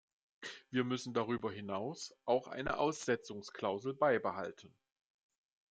Wir müssen darüber hinaus auch eine Aussetzungsklausel beibehalten.